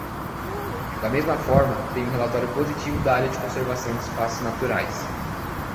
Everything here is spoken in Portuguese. Da mesma forma, tem o relatório positivo da Área de Conservação de Espaços Naturais.